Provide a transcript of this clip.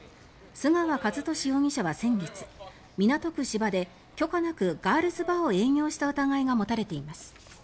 須川和俊容疑者は先月港区芝で許可なくガールズバーを営業した疑いが持たれています。